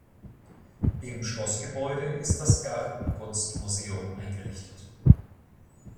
Im Schlossgebäude ist das "Gartenkunst-Museum" eingerichtet.